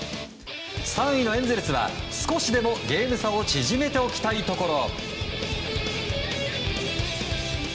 ３位のエンゼルスは少しでもゲーム差を縮めておきたいところ。